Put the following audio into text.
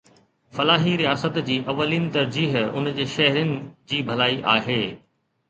فلاحي رياست جي اولين ترجيح ان جي شهرين جي ڀلائي آهي.